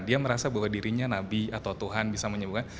dia merasa bahwa dirinya nabi atau tuhan bisa menyebutkan